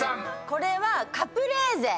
これは「カプレーゼ」